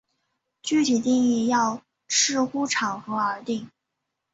具体定义要视乎场合而定。